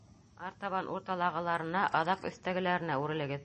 Артабан урталағыларына, аҙаҡ өҫтәгеләренә үрелегеҙ.